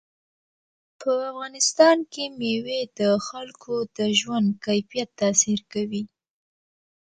په افغانستان کې مېوې د خلکو د ژوند کیفیت تاثیر کوي.